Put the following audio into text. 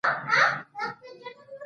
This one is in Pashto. بل مکۍ مهربانه ښځه ده.